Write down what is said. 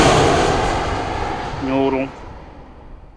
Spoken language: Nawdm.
Nurung.